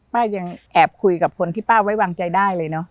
ยังแอบคุยกับคนที่ป้าไว้วางใจได้เลยเนอะ